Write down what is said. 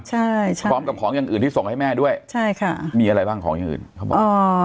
ใช่ใช่พร้อมกับของอย่างอื่นที่ส่งให้แม่ด้วยใช่ค่ะมีอะไรบ้างของอย่างอื่นเขาบอกอ๋อ